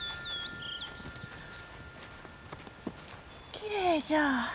きれいじゃ。